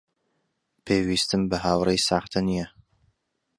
پێویستم بە هاوڕێی ساختە نییە.